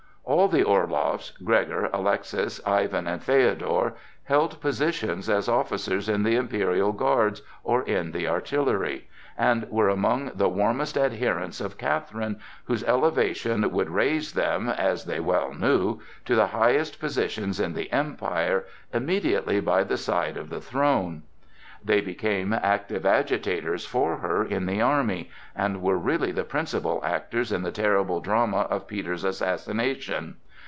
All the Orloffs—Gregor, Alexis, Ivan, and Feodor—held positions as officers in the imperial guards or in the artillery, and were among the warmest adherents of Catherine, whose elevation would raise them, as they well knew, to the highest position in the Empire, immediately by the side of the throne. They became active agitators for her in the army, and were really the principal actors in the terrible drama of Peter's assassination.